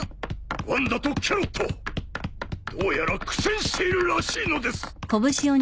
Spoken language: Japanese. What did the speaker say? ワンダとキャロットどうやら苦戦しているらしいのです！